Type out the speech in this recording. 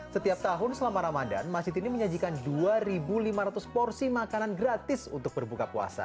setiap tahun selama ramadan masjid ini menyajikan dua lima ratus porsi makanan gratis untuk berbuka puasa